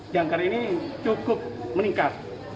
jangkar ini cukup meningkat